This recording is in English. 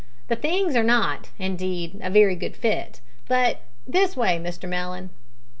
The things are not, indeed, a very good fit, but this way, Mr Mellon."